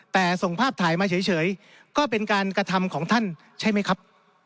แต่ส่งภาพถ่ายมาเฉยก็เป็นการกระทำของท่านใช่ไหมครับ